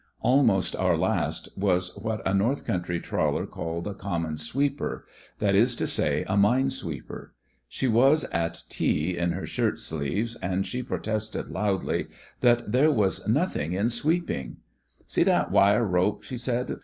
Almost our last was what a North Country trawler called a "common sweeper," that is to say, a mine sweeper. She was at tea in her shirt sleeves, and she protested loudly that there was "noth ing in sweeping." " 'See that wire rope?" she said.